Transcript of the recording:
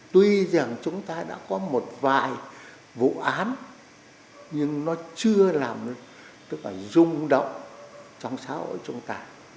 tuy rằng chúng ta đã có một vài vụ án nhưng nó chưa làm rung động trong xã hội chúng ta